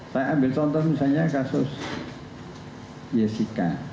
saya ambil contoh misalnya kasus jessica